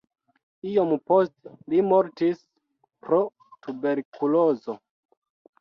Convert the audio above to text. Iom poste li mortis pro tuberkulozo.